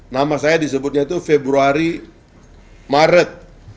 nama saya disebutnya itu februari maret dua ribu empat belas